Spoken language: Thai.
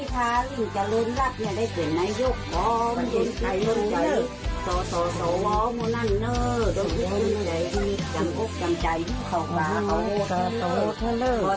ก๋าหมูพัทหวายจังป่อน่อท่าเออ